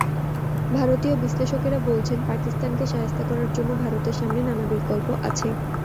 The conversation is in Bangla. ভারতীয় বিশ্লেষকেরা বলছেন, পাকিস্তানকে শায়েস্তা করার জন্য ভারতের সামনে নানা বিকল্প আছে।